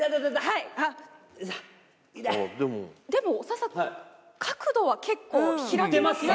はいイタイでも長田さん角度は結構開きますか？